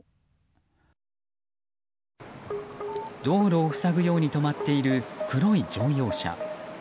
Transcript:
道路を塞ぐように止まっている黒い乗用車。